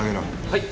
はい！